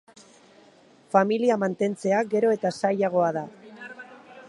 Familia mantentzea gero eta zailagoa da